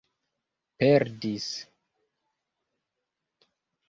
perdis